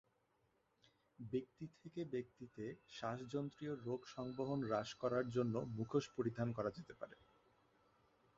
ব্যক্তি থেকে ব্যক্তিতে শ্বাসযন্ত্রীয় রোগ সংবহন হ্রাস করার জন্য মুখোশ পরিধান করা যেতে পারে।